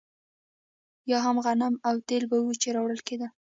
یا هم غنم او تېل به وو چې راوړل کېدل.